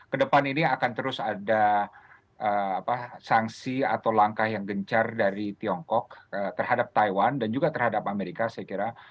kedepan ini akan terus ada sanksi atau langkah yang gencar dari tiongkok terhadap taiwan dan juga terhadap amerika saya kira